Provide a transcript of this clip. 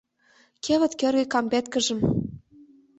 Кевыт кӧргӧ кампеткыжым